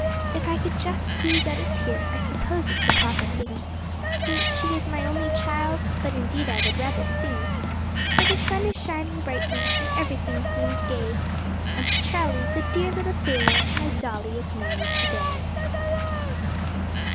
If I could just squeeze out a tear I suppose it's the proper thing, Since she is my only child but indeed I would rather sing, For the sun is shining brightly, and everything seems gay, And to Charlie, the dear little sailor, my dolly is married to day.